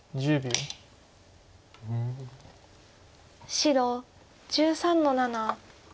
白１３の七ハネ。